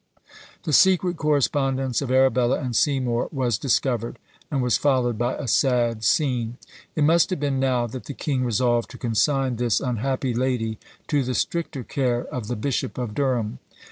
The secret correspondence of Arabella and Seymour was discovered, and was followed by a sad scene. It must have been now that the king resolved to consign this unhappy lady to the stricter care of the Bishop of Durham.